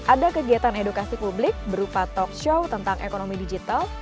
ada kegiatan edukasi publik berupa talk show tentang ekonomi digital